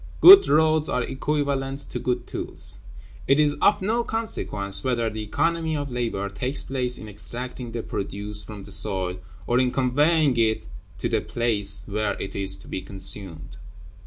Good roads are equivalent to good tools. It is of no consequence whether the economy of labor takes place in extracting the produce from the soil, or in conveying it to the place where it is to be consumed.